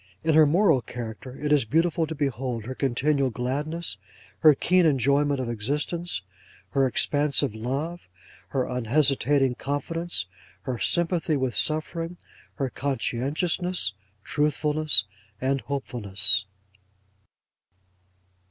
In her moral character, it is beautiful to behold her continual gladness, her keen enjoyment of existence, her expansive love, her unhesitating confidence, her sympathy with suffering, her conscientiousness, truthfulness, and hopefulness.